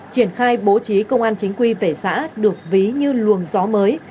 triển khai bố trí công an chính quy về xã được ví như luồng gió mới